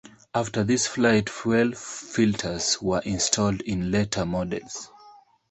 After this flight, fuel filters were installed in later models.